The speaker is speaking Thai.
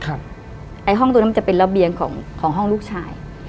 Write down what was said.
ห้องตรงนั้นมันจะเป็นระเบียงของห้องลูกชาย